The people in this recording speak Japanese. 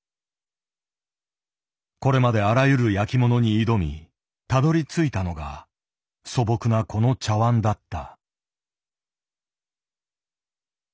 これまであらゆる焼きものに挑みたどりついたのが素朴なこの茶碗だった。